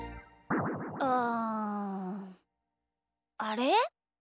うん。あれ？